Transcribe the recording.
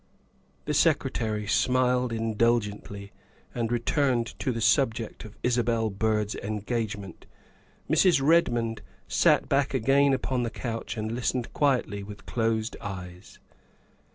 The Secretary smiled indulgently and returned to the subject of Isabel Byrd's engagement. Mrs. Redmond sank back again upon the couch and listened quietly with closed eyes.